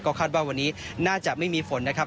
คาดว่าวันนี้น่าจะไม่มีฝนนะครับ